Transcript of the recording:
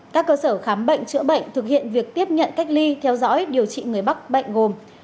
các cơ sở khám bệnh chữa bệnh thực hiện việc tiếp nhận cách ly theo dõi điều trị người mắc bệnh gồm